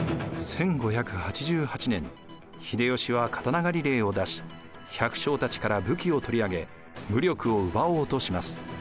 １５８８年秀吉は刀狩令を出し百姓たちから武器を取り上げ武力を奪おうとします。